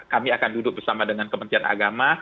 kami akan duduk bersama dengan kementerian agama